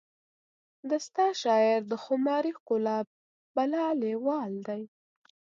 د ستا شاعر د خماري ښکلا بلا لیوال دی